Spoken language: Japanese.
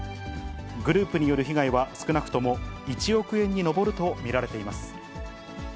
グループによる被害は少なくとも１億円に上ると見られています。